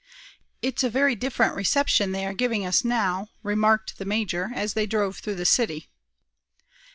"It's a very different reception they are giving us now," remarked the major, as they drove through the city.